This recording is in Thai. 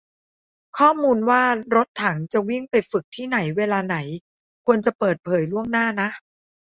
ข้อมูลว่ารถถังจะวิ่งไปฝึกที่ไหนเวลาไหน ควรจะเปิดเผยล่วงหน้านะ